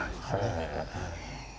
へえ。